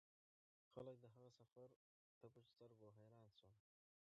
خلک د هغه سفر ته په سترګو حیران شول.